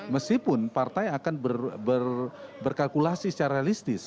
meskipun partai akan berkalkulasi secara realistis